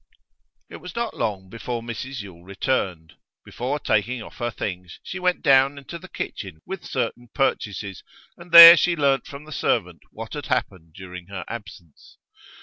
It was not long before Mrs Yule returned. Before taking off her things, she went down into the kitchen with certain purchases, and there she learnt from the servant what had happened during her absence.